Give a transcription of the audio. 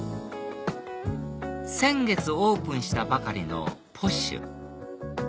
先月オープンしたばかりのＰＯＳＨ